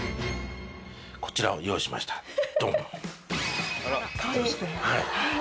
こちらを用意しましたドン。